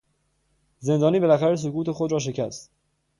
زندانی بالاخره سکوت خود را شکست.